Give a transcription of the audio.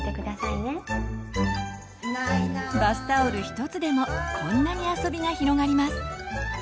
バスタオル一つでもこんなにあそびが広がります。